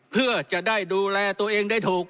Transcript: เพื่อจะได้ดูแลตัวเองได้ถูก